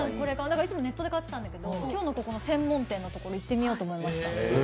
いつもネットで買ってたんだけど、今日の専門店のところ行ってみたいと思いました。